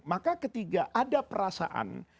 maka ketiga ada perasaan